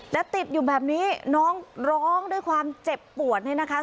และติดอยู่แบบนี้น้องร้องด้วยความเจ็บปวดนี่นะคะ